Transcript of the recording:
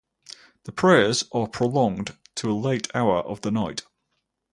The prayers are prolonged to a late hour of the night.